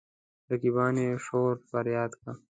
رقیبان يې شور فرياد کا.